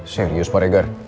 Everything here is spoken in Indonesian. serius pak regar